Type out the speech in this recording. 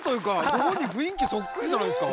ご本人雰囲気そっくりじゃないですか。